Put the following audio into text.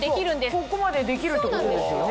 ここまでできるってことですよね